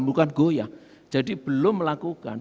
bukan goyah jadi belum melakukan